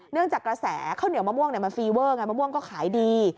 จากกระแสข้าวเหนียวมะม่วงมันฟีเวอร์ไงมะม่วงก็ขายดี